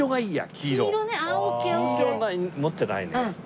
黄色が持ってないんでね。